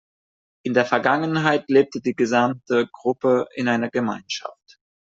In der Vergangenheit lebte die gesamte Gruppe in einer Gemeinschaft.